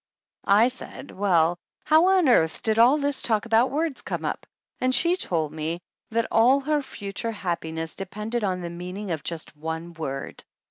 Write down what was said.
I said well, how on earth did all this talk about words come up, and she told me that all 171 THE ANNALS OF ANN her future happiness depended upon the mean ing of just one word.